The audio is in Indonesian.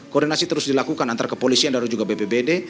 koordinasi terus dilakukan antara kepolisian dan juga bpbd